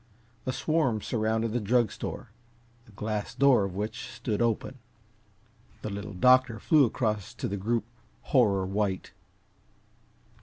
A swarm surrounded the drug store, the glass door of which stood open. The Little Doctor flew across to the group, horror white.